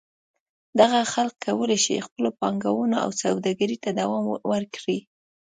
دغه خلک کولای شي خپلو پانګونو او سوداګرۍ ته دوام ورکړي.